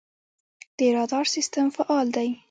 د رادار سیستم فعال دی؟